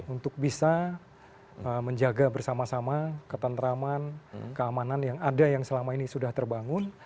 untuk bisa menjaga bersama sama ketentraman keamanan yang ada yang selama ini sudah terbangun